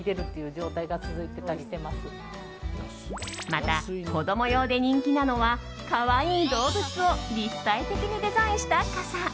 また、子供用で人気なのは可愛い動物を立体的にデザインした傘。